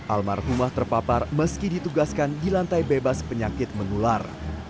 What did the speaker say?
almarhumah terpapar meski ditugaskan di lantai bebas penyakit menular